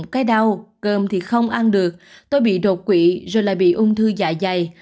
cơm thì không ăn được tôi bị đột quỷ rồi lại bị ung thư dạ dày